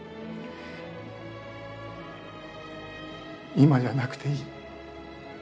今じゃなくていい。